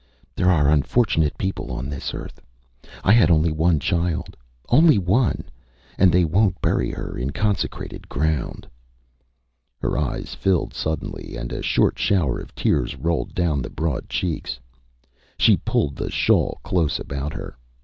ÂThere are unfortunate people on this earth. I had only one child. Only one! And they wonÂt bury her in consecrated ground!Â Her eyes filled suddenly, and a short shower of tears rolled down the broad cheeks. She pulled the shawl close about her.